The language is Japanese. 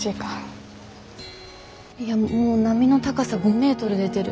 いやもう波の高さ５メートル出てる。